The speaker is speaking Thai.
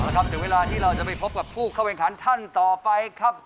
ถึงเวลาที่เราจะไปพบกับผู้เข้าแข่งขันท่านต่อไปครับ